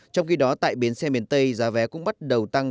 trong khi đó tại bến xe miền tây giá vé cũng bắt đầu tăng